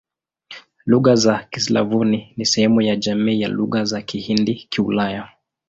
Lugha za Kislavoni ni sehemu ya jamii ya Lugha za Kihindi-Kiulaya.